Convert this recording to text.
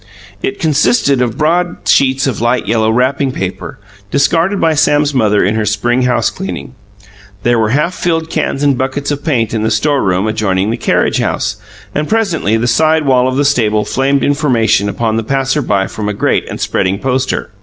It consisted of broad sheets of light yellow wrapping paper, discarded by Sam's mother in her spring house cleaning. There were half filled cans and buckets of paint in the storeroom adjoining the carriage house, and presently the side wall of the stable flamed information upon the passer by from a great and spreading poster.